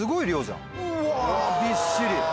うわびっしり！